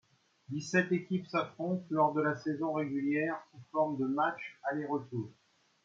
Dix sept équipes s'affrontent lors de la saison régulière sous forme de matches aller-retour.